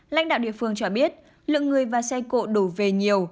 lãnh đạo địa phương cho biết lượng người và xe cộ đổ về nhiều